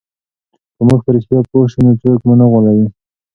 که موږ په رښتیا پوه سو نو څوک مو نه غولوي.